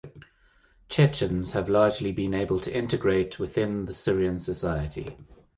Chechens have largely been able to integrate within the Syrian society.